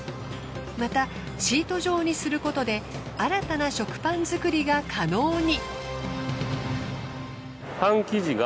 またシート状にすることで新たな食パン作りが可能に。